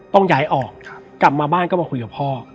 ต้องย้ายออกกลับมาบ้านก็มาคุยกับพ่อ